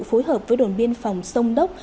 phối hợp với đồn biên phòng sông đốc